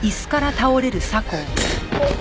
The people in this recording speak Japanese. あっ！